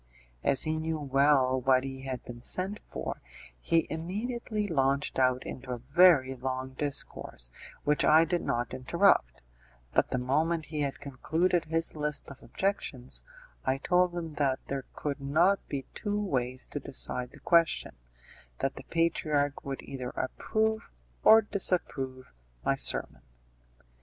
As he knew well what he had been sent for, he immediately launched out into a very long discourse, which I did not interrupt, but the moment he had concluded his list of objections I told him that there could not be two ways to decide the question; that the patriarch would either approve or disapprove my sermon.